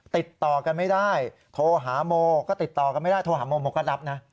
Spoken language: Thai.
ติดต่อกันไม่ได้โทรหาโมก็ติดต่อกันไม่ได้โทรหาโมโมก็รับนะ